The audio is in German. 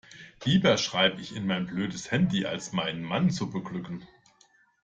Lieber schreibe ich in mein blödes Handy, als meinen Mann zu beglücken.